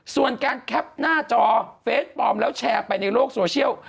ส่วนการแคปหน้าจอเฟสปลอมแล้วแชร์ไปในโลกโซเชียล